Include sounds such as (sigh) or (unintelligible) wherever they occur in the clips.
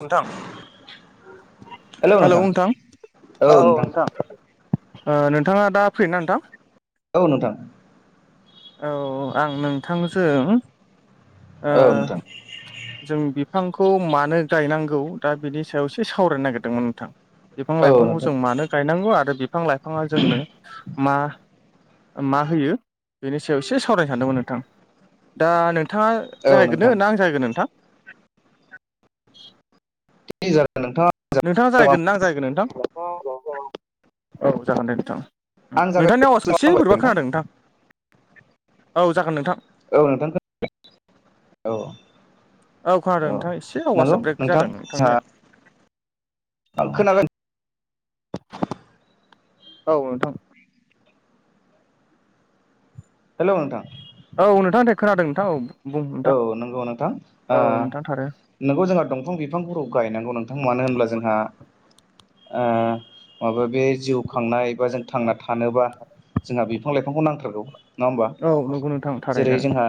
नोंथां हेलौ नोंथां औ नोंथां ओ नोंथाङा दा फ्रिना नोंथां? औ नोंथां औ आं नोंथांजों ओ औ नोंथां जों बिफांखौ मानो गायनांगौ दा बिनि सायाव एसे सावरायनो नागिरदोंमोन नोंथां बिफां औ लाइफांखौ नोंथां जों मानो गायनांगौ आरो बिफां लाइफाङा जोंनो मा? मा होयो बेनि सायाव एसे सावरायनो सानदोंमोन नोंथां दा नोंथाङा औ नोंथां जागायग्रोनो ना आं जागायग्रोनो नोंथां? (unintelligible) नोंथाङा नोंथाङा जागायग्रोना आं जागायग्रोनो नोंथां औ जागोन दे नोंथां आं नोंथांनि जागायनोसै आवाजखौ एसे नामा बोरैबा खोनादों होनबालाय नोंथां औ जागोन नोंथां औ नोंथां औ खोनादों औ नोंथां एसे आवासा नोंगौ ब्रेक नोंथां जादों नोंथांनिया औ जोंहा खोनागोन औ नोंथां हेलौ नोंथां औ नोंथांदे खोनादों नोंथां औ बुं औ नोंथां नंगौ नोंथां आ औ नोंथां थारो नोंगौ जोंहा दंफां बिफांफोराव गायनांगौ नोंथां मानो होनब्ला जोंहा ओ माबा बे जिउ खांनाय एबा जों थांना थानोबा जोंहा बिफां लाइफांखौ नांथारगौ नङा होमबा औ नंगौ नोंथां थारैनो जेरै जोंहा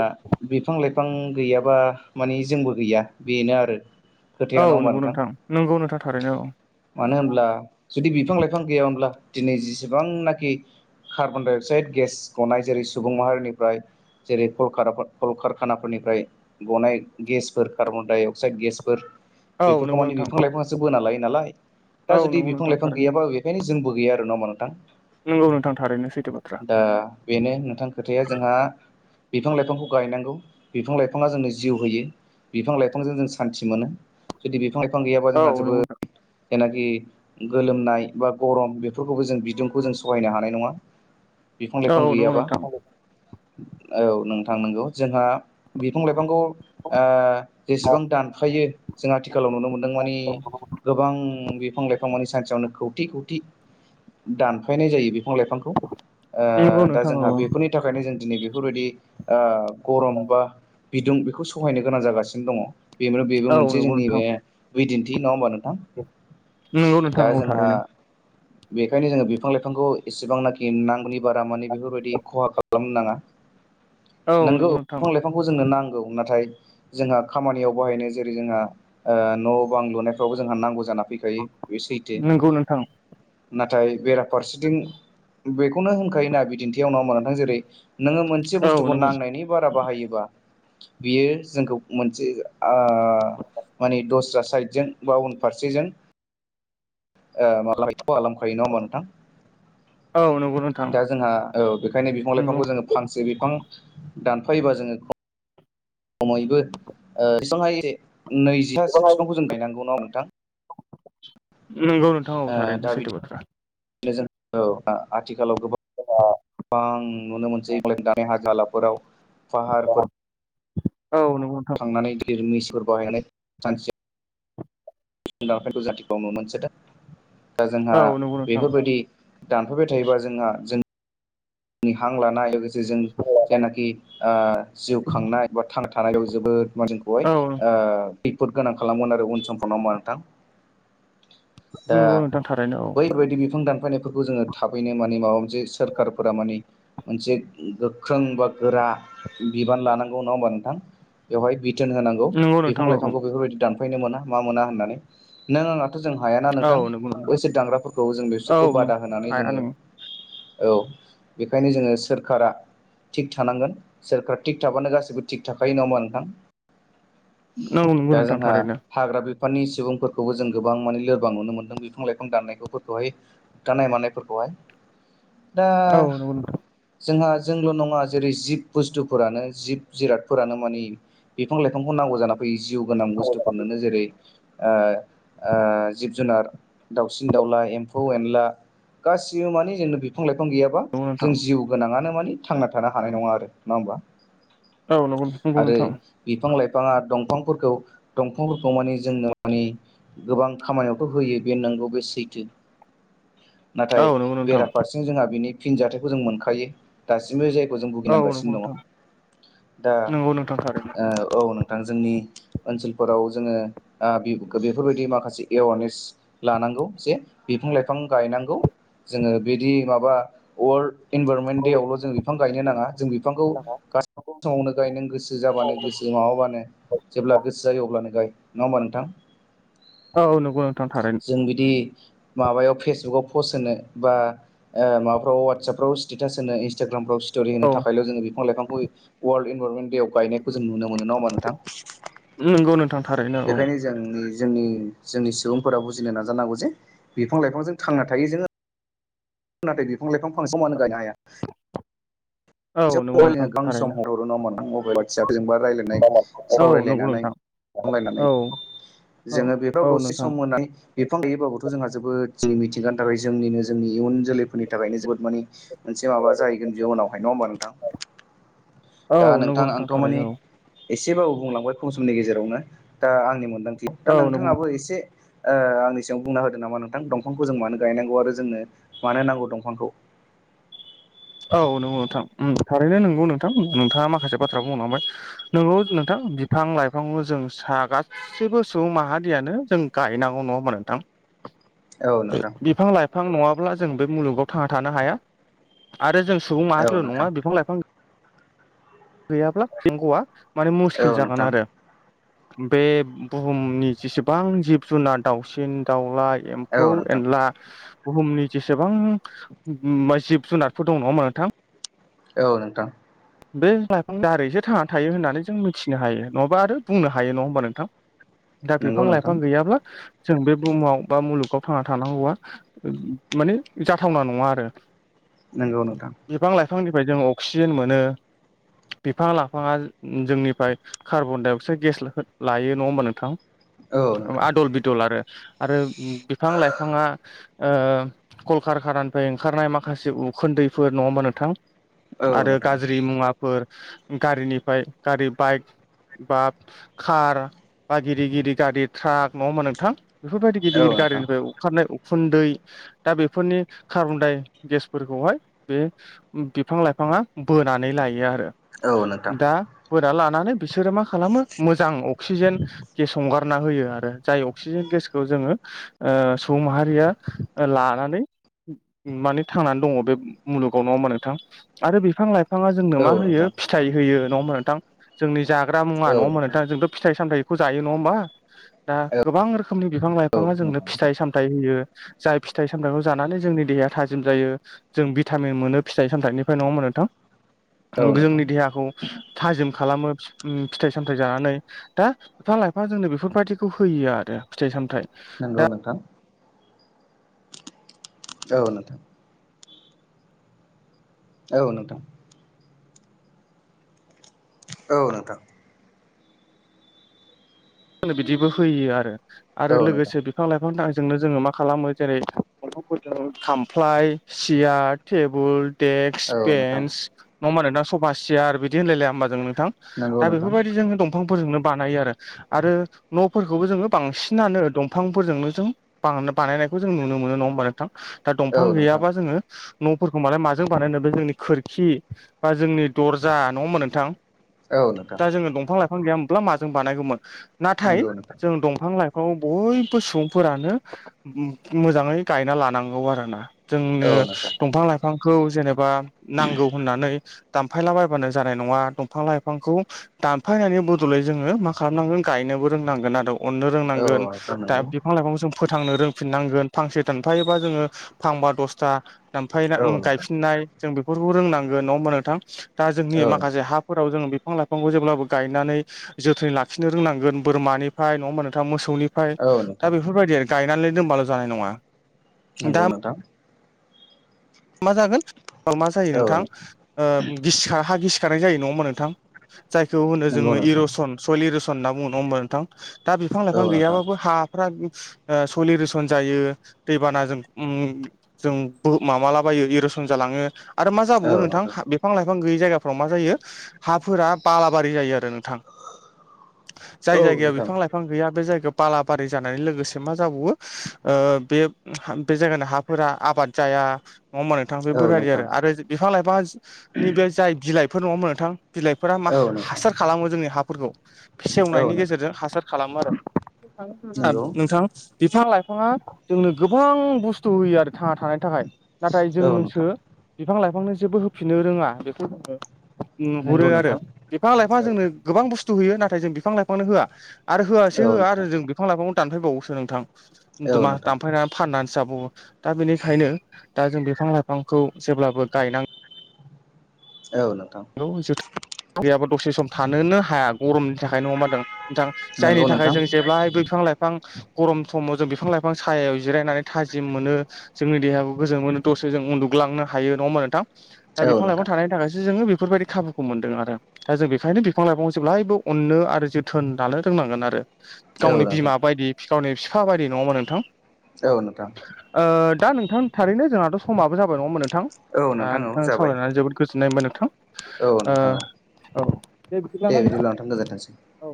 बिफां लाइफां गैयाबा मानि जोंबो गैया बेनो आरो खोथाया औ नङा होमबा नोंगौ नोंथां नोंगौ नोंथा थारैनो औ मानो होनब्ला जुदि बिफां लाइफां गैयामोनब्ला दिनै जेसेबांनाखि कार्बन डाइ अक्साइद गेस गनाय जेरै सुबुं माहारिनिफ्राय जेरै खलखार खल खार खाना फोरनिफ्राय गनाय गेसफोर कार्बन डाइ अक्साइड गेसफोर औ बेफोरखौ नंगौ माने नोंथां बिफां लाइफांआसो बोना लायो नालाय औ दा जुदि नंगौ बिफां नोंथां लाइफां थारैनो गैयाबा बेखायनो जोंबो गैया आरो नङा होनबा नोंथां? नंगौ नोंथां थारैनो सैथो बाथ्रा ओ बेनो नोंथां खोथाया जोंहा बिफां लाइफांखौ गायनांगौ बिफां लाइफाङा जोंनो जिउ होयो बिफां लाइफांजों जों सान्थि मोनो जुदि बिफां लाइफां गैयाबा औ जोंहा नंगौ जोबोद जेनाखि गोलोमनाय बा गरम बेफोरखौबो जों बिदुंखौ जों सहायनो हानाय नङा। बिफां औ लाइफां नंगौ गैयाबा नोंथां औ नोंथां नंगौ जोंहा बिफां लाइफांखौ ओ जेसेबां दानफायो जों आथिखालाव नुनो मोनदों मानि गोबां बिफां लाइफां माने सानसेयावनो खौथि खौथि दानफायनाय जायो बिफां लाइफांखौ नंगौ दा नोंथां जोंहा बेफोरनि नि थाखायनो जों दिनै बेफोरबायदि गरम बा बिदुं बेखौ सहायनो गोनां जागासिनो दङ बेनो बेबो औ मोनसे नंगौ जोंनि नोंथां बे बिदिन्थि नङा होनोमब नों नंगौ नोंथां थारैनो। बेखायनो जोङो बिफां लाइफांखौ एसेबांनाखि नांगौनि बारा मानि बेफोरबायदि खहा खालामनो नाङा। (inaudible) औ नोंगौ। नंगौ नोंथां (inaudible) बिफांखौ जोंनो नांगौ नाथाय जोंहा खामानियाव बाहायनो जेरै जोंहा न' बां लुनाय थावबो जोंहा नांगौ जाना फैखायो बे सैथो नंगौ नोंथां नाथाय बेराफारसेथिं बेखौनो होनखायोना बिदिन्थियावनाव नोंथां जेरै नोङो मोनसे मोनसे औ बुस्थुखौ नंगौ नांनायनि बारा बाहायोबा बियो जोंखौ मोनसे आ,,, माने दस्रा साइडजों बा उन फारसेजों ओ (unintelligible) नोंथां। औ नंगौ नोंथां दा जोंहा ओ बेखायनो बिफां नंगौ लाइफांखौ जोङो फांसे बिफां दानफायोबा जोङो खमैबो बेसेबांहाय नैजिथासो बिफांखौ जों गायनांगौ (inaudible) नोंथां। नोंगौ नोंथाङाऔ ओ दा थारैनो सैथो बाथ्रा। औ आथिखालाव गोबां। (unintelligible) गोबां नुनो मोनसै दानाय (unintelligible) औ नोंथां। (unintelligible) (unintelligible) दा जोंहा औ नंगौ नोंथां बेफोरबायदि दानफाबबाय थायोबा जोंहा जोंनि हां लानाय लोगोसे जों जायनाखि जिउ खांनाय बा (unintelligible) खैफोद औ गोनां खालामगोन आरो उन समफोरावा नोंथां। दा नंगौ नोंथां थारैनो औ बैबायदि बिफां दानफायनायफोरखौ जोङो थाबैनो माने माबा मोनसे सोरखार फोरा माने मोनसे गोख्रों बा गोरा बिबान लानांगौ नङा होमबा नोंथां! बेवहाय बिथोन होनांगौ नंगौ बिफां नोंथां नंगौ लाइफांखौ बेफोरबायदि दानफायनो मोना मा मोना होननानै नों आंना जों हायााना औ नोंथां नंगौ नोंथां बैस दांग्राफोरखौ जों बेसोरखौ औ नंगौ बादा होनानै हाया जोङो नों औ बेखायनो जोङो सोरखारा थिग थानांगोन सोरखारा थिग थाबानो गासैबो थिग थाखायो नङामा नोंथां? नंगौ नंगौ दा नोंथां जोंहा थारैनो हाग्रा बिफाननि सुबुंफोरखौबो जों गोबां माने लोरबां नुनो मोनदों बिफां लाइफां दाननायखौफोरखौहाय होफथानाय मानायफोरखौहाय दा औ नंगौ नोंथां जोंहा जोंल' नङा जेरै जिब बुस्थुफोरानो जिब जिरादफोरानो माने बिफां लाइफांखौ नांगौ जानानै फैयो जिउ गोनां बुस्थुफोरनो जेरै ओ ओ जिब जुनार दाउसिन दाउला एम्फौ एनला गासिबो माने जों बिफां लाइफां गैयाबा नंगौ नोंथां जों जिउ गोनाङनो मानि थांना थानो हानाय नङा आरो नङा होमबा औ नंगौ नंगौ आरो। नोंथां बिफां लाइफाङा दंफांफोरखौ दंफांफोरखौ माने जोंनो माने गोबां खामानियावथ' होयो बे नंगौ बे सैथो (inaudible) नाथाय नंगौ नोंथां बेराफारसे जोंहा बिनि फिनजाथाइखौ जों मोनखायो दासिमबो जायगायाव जों औ नंगौ भुगिनांगासिनो दङ नोंथां दा नंगौ नोंथां थारैनो औ नों थां जोंनि ओनसोलफोराव जोङो बेफोरबायदि माखासे एवारनेस लानांगौ जे बिफां लाइफां गायनांगौ जोङो बिदि माबा वर्ल्ड इनभाररमेन्ट देवाल' जों बिफां गायनो नाङा जों बिफांखौ गा समावनो गाय नों गोसो जाबानो गोसो माबाबानो जेब्ला गोसो जायो अब्लानो गाय नङा होमबा नोंथां? औ नंगौ नोंथां थारैनो जों बिदि माबायाव फेसबुकाव पस्ट होनो बा माबाफ्राव वाट्सप फ्राव सटेटास होनो इन्स्टाग्रफ्राव स्टरि होनो औ थाखायल' जो बिफां लाइांखौ वार्लड इनभाररनमन्टेव गायनाय खौ जों नुनो मोनो नङा होमबा नोंथां नंगौ नोंथां थारैनो बेखायनो जोंनि जोंनि सुबुंफोरा बुिनो नाजांगौ जे बिफां लाइफांजों थांना थायो जो नाथाय बिफां लाइफां फां समानो गायनो हाया औ जों नंगौ मबाइलनो नोंथां गोबां सम थारैनो हरो नङा होमबा नोंथां मबाइल (inaudible) फिसाफोर जोंबा रायज्लायनाय औ नंगौ सावरायलायनानै नोंथां लायनानै औ औ जोङो बेफोराव औ दसे नोंथां सम होनानै बिफां गैयैबाबोथ' जोंहा जोबोद जोंनि मिथिंगानि थाखाय जोंनिनो जोंनि इयुन जोलैफोरनि थाखायनो जोबोद माने मोनसे माबा जाहैगोन जिउनावहाय नङा होमबा नोंथां औ दा नंगौ नोंथां आंथ' मानि थारैनो एसेबाबो बुंलांबाय खम समनि गेजेरावनो दा आंनि मोनदांथि दा औ औ नंगौ नोंथाङाबो एसे ओ आंनि सिम बुंना होदो नामा नोंथां दंफांखौ जों मानो गायनांगौ आरो जोंनो मानो नांगौ दंफांखौ औ नंगौ नोंथां उम थारैनो नंगौ नोंथां नोंथाङा माखासे बाथ्रा बुंलांबाय नोंगौ नोंथां बिफां लाइफांखौ जों सा गा सैबो सुबुं माहारियानो जों गायनांगौ नङा होनबा नोंथां? औ नोंथां बिफां लाइफां नङाब्ला जों बे मुलुगाव थांना थानो हाया आरो जों सुबुं औ माहारिल' नङा नोंथां बिफां लाइफां गैयाब्ला थेंग'आ माने औ मुस्किल जागोन नोंथां आरो बे बुहुमनि जेसेबां जिब जुनार दाउसिन दाउलाय औ एम्फौ नोंथां एनला बुहुमनि जेसेबां जिब जुनारफोर दं नङा होनबा नोंथां? औ नोंथां बे लाइफांनि दारैसो थांनानै थायोब्ला होननानै जों मिथिनो हायो नङाबा आरो बुंनो हायो नङा होमबा नोंथां? दा नंगौ बिफां नोंथां लाइफां गैयाब्ला जों बे बुहुमाव बा मुलुगाव थांना थानांगौआ माने जाथावना नङा आरो नोंगौ नोंथां बिफां लाइफांनिफ्राय जों अक्सिजेन मोनो बिफां लाइफाङा जोंनिफ्राय कार्बन दडाइ अक्साइड गेस लायो नङा होनबा नोंथां? औ नोंथां आदल बिदल आरो आरो बिफां लाइफाङा ओ कलकारखानानिफ्राय ओंखारनाय माखासे उखुन्दैफोर नङा होमबा नोंथां? औ आरो नोंथां गाज्रि मुवाफोर गारिनिफ्राय गारि बाइक बा कार बा गिदिर गिदिर गारि ट्राक नङा होमबा नोंथां? बेफोरबायदि गिदिर औ गिदिर नोंथां गारिनिफ्राय अंखारनाय उखुन्दै दा बेफोरनि कार्बनडाइ गेसफोरखौहाय बे बिफां लाइफाङा बोनानै लायो आरो औ नोंथां औ दा बोना लानानै बिसोरो मा खालामो मोजां अ अक्सिजेन गेस हंगारना होयो आरो जाय अक्सिजेन गेसखौ जोङो ओ सुबुं माहारिया लानानै माने थांनानै दङ बे मुलुगाव नङा होमबा नोंथां आरो बिफां लाइ फाङा जोंनो मा होयो नोंथां फिथाइ होयो नङा होनबा नोंथां जोंनि जाग्रा मुवा नङा होमबा नोंथां जोंथ' फिथाइ सामथाइखौ जायो नङा होमबा दा गोबां रो खोमनि बिफां औ लाइफाङा जोंनो नोंथां फिथाइ सामथाइ होयो जाय फिथाइ सामथाइखौ जानानै जोंनि देहाया थाजिम जायो जों भिटामिन मोनो फिथाइ सामथाइनिफ्राय नङा होमबा नोंथां? औ थां नोंथां जोंनि देहाखौ थाजिम खालामो फिथाइ सामथाइ जानानै दा बिफां लाइफां जोंनो बेफोरबायाददिखौ होयो आरो फिथाइ सामथायाइ नंगौ दा नोंथां। औ नोंथां। औ नोंथां। औ नोंथां। जोंनो बिदिबो होयो आरो आरो औ नोंथां लोगोसे बिफां लाइफांदा जोंनो जोङो मा खालामो जेरै (unintelligible) खामफ्लाय सियार टेबोल। देक्स औ नोंथां बेन्स नङा होमबा नोंथां सफा सियार बिदि होनलायलाया होमबा जों नोंथां। नंगौ दा नोंथां बेफोरबायदि जो दंफांफोरजोंनो बानायो आरो। आरो न'फोरखौबो जोङो बांसिनानो दंफांफोरजोंनो जों। बां बानायनायखौ जों नुनो मोनो नङा होमबा नोंथां दा औ दंफां नोंथां गैयाबा जोङो न'फोरखौ मालाय माजों बानायनो बे जोंनि खोरखि बा जोंनि दरजा नङा होनबा नोंथां। औ नोंथां दा जोङो दंफां लाइफां गैयामोनब्ला माजों बानायगौमोन नाथाय नंगौ नोंथां जों दंफां लाइफां खौ बयबो सुबुंफोरानो मोजाङै गायना लानांगौ आरो ना। जोंनो औ नोंथां दंफां लाइफांखौ जेनेबा नांगौ होननानै दानफायला बायबानो जानाय नङा। दंफां लाइफांखौ दानफायनायनि बदलै जोङो मा खालामनांगोन गायनोबो रोंनांगोन आरो अननो औ रोंनांगोन नोंथां दा नंगौ बिफां लाइफांखौ जों फोथांनो रोंफिननांगोन फांसे दानफायोबा जोङो फांबा दसथा दामफायना औ उम नोंथां गायफिननाय जों बेफोरखौ रोंनांगोन नङा होमा नोंथां दा जोंनि औ माखासे नोंथां हा फोराव जों बिफां लाइफांखौ जेब्लाबो गायनानै जोथोन ला खिनो रोंनांगोन बोरमानिफ्राय नङा होमबा नोंथां मोसौनिफ्राय औ नोंथां दा बेफोरबायदि आरो। गायनानै दोनबाल' जानाय नङा। दा नंगौ नोंथां। मा जागोन मा जायो नोंथां ओ गिसिखा हा गिसिखारनाय जायो नङा होमबा नोंथां। जायखौ होनो नंगौ जोङो नोंथां इर'सन सलि रसन होनना बुङो नङा होमबा नोंथां। दा बिफां औ लाइफां नोंथां गैयाबाबो हा फ्राख ओ सलि रसन जायो दैबानाजों उम जों बु माबा लाब बायो इरसन जालाङो आरो मा जाबावो नोंथां? बिफां लाइफां गैयै जायगाफ्राव मा जायो हाफोरा बालाबारि जायो आरो नोंथां! जाय औ जायगायाव नोंथां बिफां लाइफां गैया बे जायगायाव बालाबारि जानाय लोगोसे मा जाबावो ओ बे बे जायगानि हाफोरा आबाद जाया। नङा होमबा नोंथां औ बेफोरबायदि नोंथां आरो बिफां लाइफांनि बे जाय बिलाइफोर नङा होनबा नोंथां? बिलाइफोरा मा औ हा नोंथां हासार खालामो जोंनि हाफोरखौ औ सेवनायनि नोंथां गेजेरजों हासार खालामो आरो। नंगौ (unintelligible) नोंथां बिफां लाइफाङा जोंनो गोबां बुस्थु होयो आरो थांना थानायनि थाखाय नाथाय औ जोंसो नोंथां बिफां लाइफांनो जेबो होफिननो रोङा बेखौ जोंङो- नुहरो नंगौ आरो नोंथां बिफां लाइफां औ जोंनो गोबां बुस्थु होयो नाथाय जों बिफां लाइफांनो होआ! आरो होआसै औ होआ नोंथां आरो जों बिफां लाइफांखौनो दानफायबावोसो दमा औ नोंथां मा नोंथां दानफायनानै- फाननानै जाबावो दा बेनिखायनो दा जों बिफां लाइफांखौ जेब्लाबो गायनां औ नोंथां! औ जोथोन गैयाबा दसे सम थानोनो हाया गरमनि थाखाय नङा होनबा दो नोंथां जायनि नंगौ थाखाय नोंथां जों जेब्लायबो बिफां -लाइफां- आं बिफां गरम समाव जों बिफां लाइफां सायायाव जिरायनानै थाजिम मोनो! जोंनि देहाबो गोजोन मोनो दसे जों उन्दुग्लांनो हायो नङा होमबा नोंथां दा औ बिफां लाइफां नोंथां थानायनि थाखायसो जोङो बेख- बेफोरबायदि खाबुखौ मोनदों आरो- दा जों बेनिखायनो बिफां लाइफां जेब्लायबो अननो आरो जोथोन लानो रोंनांगोन आरो! औ गावनि नोंथां बिमा बायदि फि गावनि बिफा बायदि नङा होनबा नोंथां! औ नोंथां! ओ दा नोंथां थारैनो जोंहाथ' समाबो जाबाय नङा होनबा नोंथां! औ आ नोंथां औ नोंथांजों जाबाय सावरायनानै जोबोद गोजोननाय मोनबाय नोंथां! औ ओ नोंथां औ दे बिदिब्ला नोंथां गोजोनथोंसै। औ